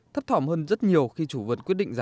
thấp thỏm hơn rất nhiều khi chủ vượt quyết định giá